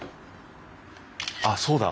あっそうだ。